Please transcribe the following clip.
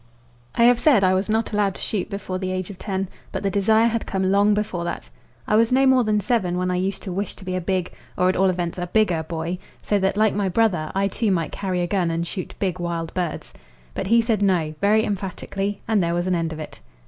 I have said I was not allowed to shoot before the age of ten, but the desire had come long before that; I was no more than seven when I used to wish to be a big, or at all events a bigger, boy, so that, like my brother, I too might carry a gun and shoot big wild birds. But he said "No" very emphatically, and there was an end of it.